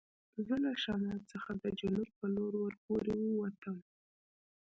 زه له شمال څخه د جنوب په لور ور پورې و وتم.